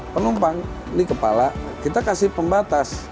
penumpang di kepala kita kasih pembatas